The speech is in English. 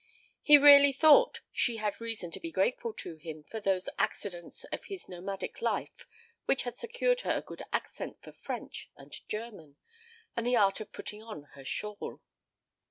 He really thought she had reason to be grateful to him for those accidents of his nomadic life which had secured her a good accent for French and German, and the art of putting on her shawl.